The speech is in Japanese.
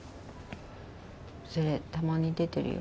それたまに出てるよ。